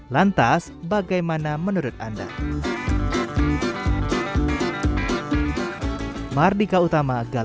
lantas bagaimana menurut anda